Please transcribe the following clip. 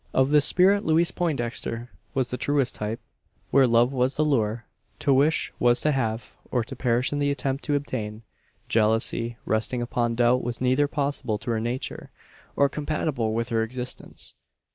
Of this spirit Louise Poindexter was the truest type. Where love was the lure, to wish was to have, or perish in the attempt to obtain. Jealousy resting upon doubt was neither possible to her nature, or compatible with her existence.